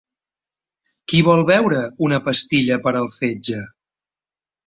Qui vol veure una pastilla per al fetge?